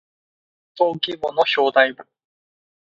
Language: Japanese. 登記簿の表題部